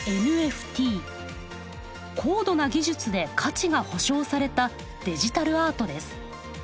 高度な技術で価値が保証されたデジタルアートです。